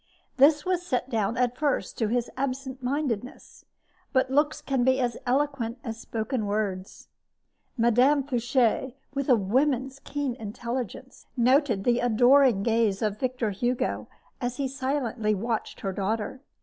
This was set down, at first, to his absent mindedness; but looks can be as eloquent as spoken words. Mme. Foucher, with a woman's keen intelligence, noted the adoring gaze of Victor Hugo as he silently watched her daughter.